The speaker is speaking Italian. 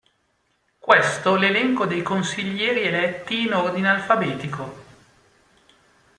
Questo l'elenco dei Consiglieri eletti in Ordine Alfabetico.